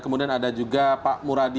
kemudian ada juga pak muradi